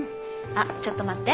あっちょっと待って。